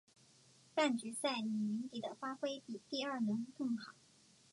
半决赛李云迪的发挥比第二轮更好。